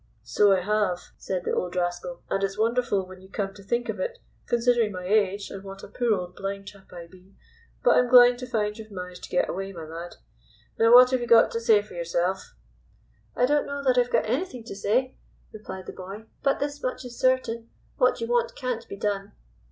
"So I have," said the old rascal, "and it's wonderful when you come to think of it, considering my age and what a poor old blind chap I be. But I'm glad to find ye've managed to get away, my lad. Now what have ye got to say for yourself?" "I don't know that I've got anything to say," replied the boy. "But this much is certain, what you want can't be done."